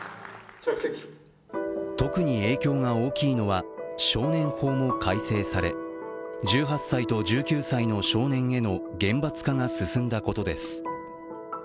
特に影響が大きいのは、少年法も改正され、１８歳と１９歳の少年への厳罰化が進んだことです。